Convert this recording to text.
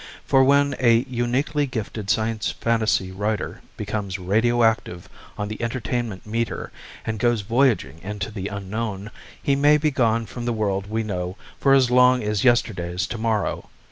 For when a uniquely gifted science fantasy writer becomes radio active on the entertainment meter and goes voyaging into the unknown, he may be gone from the world we know for as long as yesterday's tomorrow.